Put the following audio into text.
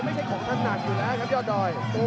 ไม่ใช่ของถนัดหนักอยู่แล้วครับยอดดอย